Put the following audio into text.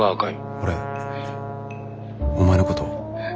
俺お前のこと。